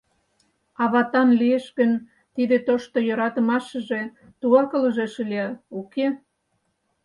А ватан лиеш гын, тиде тошто йӧратымашыже тугак ылыжеш ыле, уке?..